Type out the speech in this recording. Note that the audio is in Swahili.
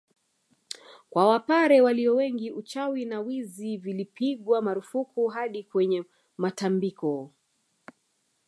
Kwa wapare walio wengi uchawi na wizi vilipigwa marufuku hadi kwenye matambiko